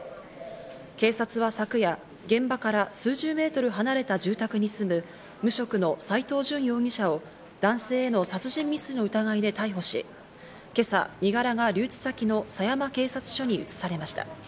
警察は昨夜、現場から数十メートル離れた住宅に住む無職の斎藤淳容疑者を男性への殺人未遂の疑いで逮捕し、今朝、身柄が留置先の狭山警察署に移されました。